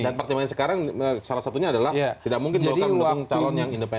dan pertimbangan sekarang salah satunya adalah tidak mungkin diolahkan untuk calon yang independen